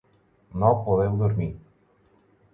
No podeu dormir.